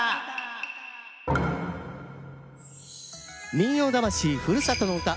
「民謡魂ふるさとの唄」。